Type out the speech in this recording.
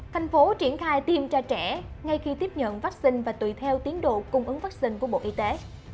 thành phố triển khai tiêm cho trẻ ngay khi tiếp nhận vắc xin và tùy theo tiến độ cung ứng vắc xin của bộ y tế